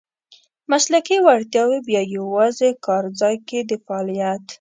مسلکي وړتیاوې بیا یوازې کارځای کې د فعالیت .